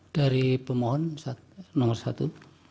dari pemohon nomor satu